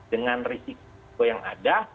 dengan risiko yang ada